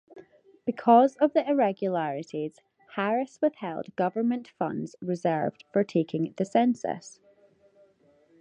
Because of the irregularities, Harris withheld government funds reserved for taking the census.